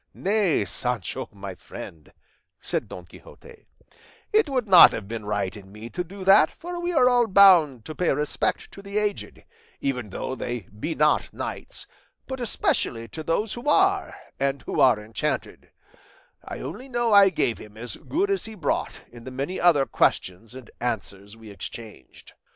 "Nay, Sancho, my friend," said Don Quixote, "it would not have been right in me to do that, for we are all bound to pay respect to the aged, even though they be not knights, but especially to those who are, and who are enchanted; I only know I gave him as good as he brought in the many other questions and answers we exchanged."